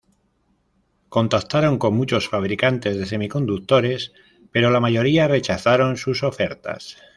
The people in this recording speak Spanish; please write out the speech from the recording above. Contactaron con muchos fabricantes de semiconductores, pero la mayoría rechazaron sus ofertas.